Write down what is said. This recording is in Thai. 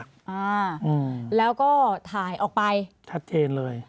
อ่าอืมแล้วก็ถ่ายออกไปชัดเจนเลย